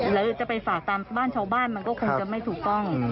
แล้วจะไปฝากตามบ้านชาวบ้านมันก็คงจะไม่ถูกต้อง